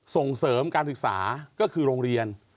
ส่งเสริมการศึกษาก็คือโรงเรียน